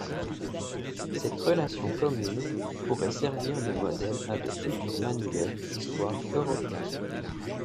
Cette relation commune pourrait servir de modèle à de futurs manuels d'histoire européens.